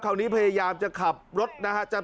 คราวนี้พยายามจะขับรถนะครับ